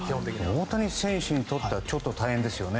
大谷選手にとってはちょっと大変ですよね。